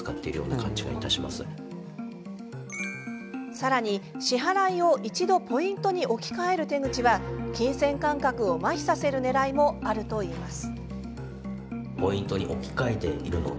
さらに、支払いを一度ポイントに置き換える手口は金銭感覚をまひさせるねらいもあるといいます。